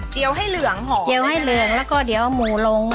เจียวให้เหลืองเหรอเจียวให้เหลืองแล้วก็เดี๋ยวเอาหมูลง